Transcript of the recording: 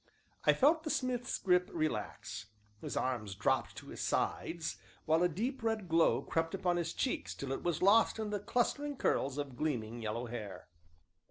I felt the smith's grip relax, his arms dropped to his sides, while a deep, red glow crept up his cheeks till it was lost in the clustering curls of gleaming, yellow hair.